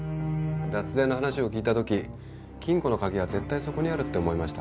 脱税の話を聞いた時金庫の鍵は絶対そこにあるって思いました。